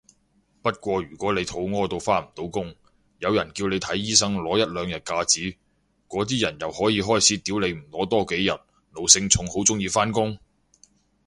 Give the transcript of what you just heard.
不過如果你肚痾到返唔到工，有人叫你睇醫生攞一兩日假紙，嗰啲人又可以開始屌你唔攞多幾日，奴性重好鍾意返工？